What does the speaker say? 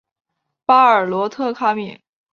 巴尔罗特卡米。